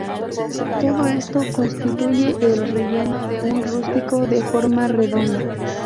Todo esto constituye el relleno de un "rústico" de forma redonda.